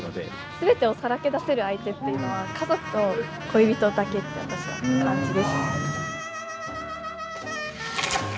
全てをさらけ出せる相手っていうのは家族と恋人だけって私は感じですね。